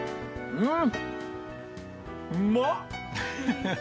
うん。